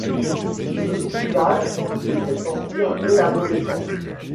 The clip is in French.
Ce clivage se fait sentir dès l'adolescence.